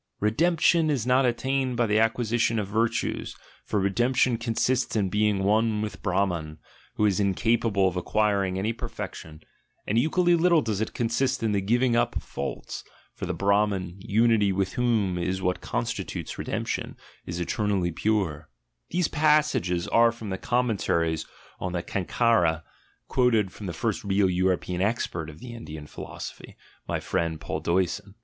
"Redemption is not attained by the acquisition of virtues; for redemption consists in being one with Brahman, who is incapable of acquiring any perfection; and equally little does it consist in the giving up of faults, for the Brahman, unity with whom is what constitutes redemption, is eter nally pure" (these passages are from the Commentaries of the Cankara, quoted from the first real European expert of the Indian philosophy, my friend Paul Deussen).